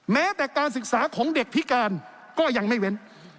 แม้แต่การศึกษาของเด็กพิการก็ยังไม่เว้น